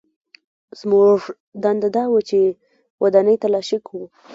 زموږ دنده دا وه چې ودانۍ تلاشي کړو